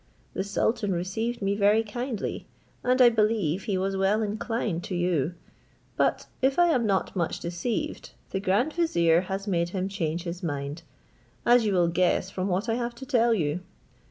The sultan received me very kindly, and I believe he was well inclined to you; but if I am not much deceived the grand vizier has made him change his mind, as you will guess from what I have to tell you.